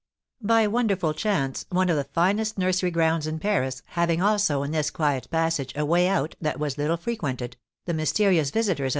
By wonderful chance, one of the finest nursery grounds in Paris having also in this quiet passage a way out that was little frequented, the mysterious visitors of M.